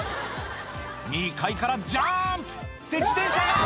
２階からジャンプ！って自転車だ！